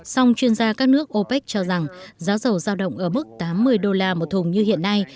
song chuyên gia các nước opec cho rằng giá dầu giao động ở mức tám mươi đô la một thùng như hiện nay